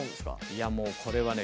いやもうこれはね